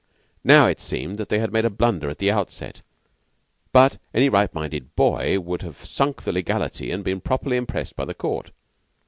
Now, it seemed that they had made a blunder at the outset, but any right minded boy would have sunk the legality and been properly impressed by the Court.